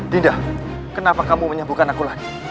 dinda kenapa kamu menyembuhkan aku lagi